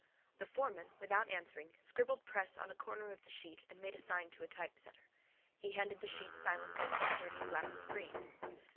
The foreman, without answering, scribbled press on a corner of the sheet and made a sign to a typesetter. He handed the sheet silently over the dirty glass screen.